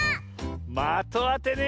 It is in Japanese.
まとあてね。